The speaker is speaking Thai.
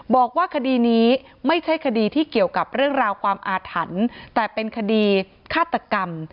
บอกว่าคดีนี้ไม่ใช่คดีที่เกี่ยวกับเรื่องราวความอาถรรพ์แต่เป็นคดีฆาตกรรม